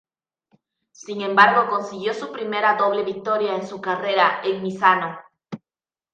Sin embargo, consiguió su primera doble victoria en su carrera, en Misano.